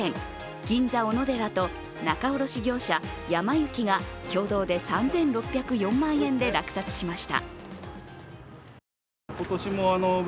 銀座おのでらと仲卸業者、やま幸が共同で３６０４万円で落札しました。